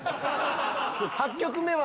８曲目は。